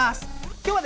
今日はね